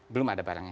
belum ada barangnya